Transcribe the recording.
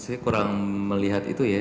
saya kurang melihat itu ya